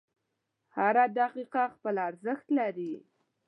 • هره دقیقه خپل ارزښت لري.